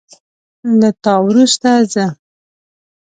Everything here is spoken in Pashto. له تا وروسته زه